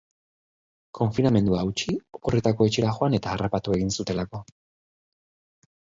Konfinamendua hautsi, oporretako etxera joan eta harrapatu egin zutelako.